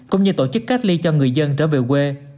cũng như tổ chức cách ly cho người dân trở về quê